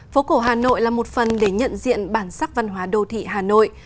phố cổ hà nội là một phần để nhận diện bản sắc văn hóa đô thị hà nội